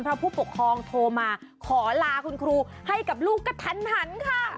ก็ฝูกกะครองโทรมาขอลาคุณครูให้กับลูกกะทัน